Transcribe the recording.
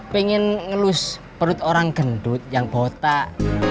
pengen ngelus perut orang gendut yang botak